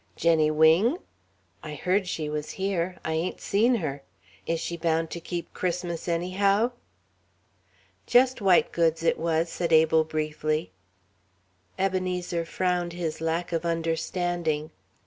"Jenny Wing? I heard she was here. I ain't seen her. Is she bound to keep Christmas anyhow?" "Just white goods, it was," said Abel, briefly. Ebenezer frowned his lack of understanding.